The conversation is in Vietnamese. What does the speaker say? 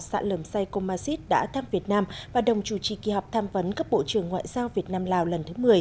sạ lầm say komazit đã thăm việt nam và đồng chủ trì kỳ họp thăm vấn các bộ trưởng ngoại giao việt nam lào lần thứ một mươi